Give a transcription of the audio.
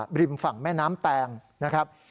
บริมฝั่งแม่น้ำแตงนะครับ